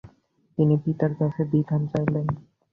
তিনি পিতার কাছে বিধান চাইলেন।